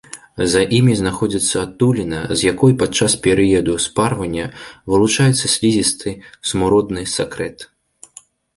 За імі знаходзіцца адтуліна, з якой падчас перыяду спарвання вылучаецца слізісты, смуродны сакрэт.